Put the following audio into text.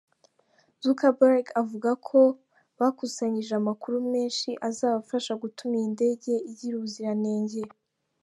Zuckerberg avuga ko bakusanyije amakuru menshi azabafasha gutuma iyi ndege igira ubuziranenge.